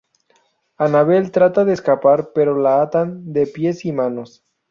Anabel trata de escapar pero la atan de pies y manos.